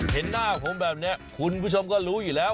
เห็นหน้าผมแบบนี้คุณผู้ชมก็รู้อยู่แล้ว